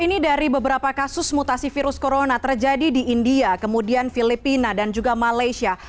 ini dari beberapa kasus mutasi virus corona terjadi di india kemudian filipina dan juga malaysia